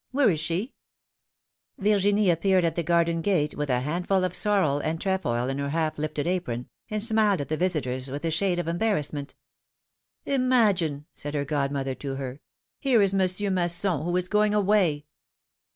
Where is she?" PHILOMfeNE^S MARRIAGES. 187 Virginie appeared at the garden gate, with a handful of sorrel and trefoil in her half lifted apron, and smiled at the visitors with a shade of embarrassment. Imagine!'^ said her godmother to her, ^Miere is Monsieur Masson, who is going awaj!